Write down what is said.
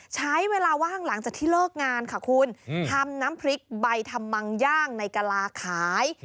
ใช้เวลาว่างหลังจากที่เลิกงานค่ะคุณทำน้ำพริกใบทำมังย่างในกะลาขาย